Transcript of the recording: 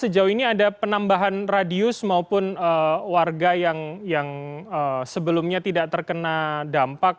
sejauh ini ada penambahan radius maupun warga yang sebelumnya tidak terkena dampak